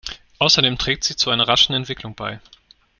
Außerdem trägt sie zu einer rascheren Entwicklung bei.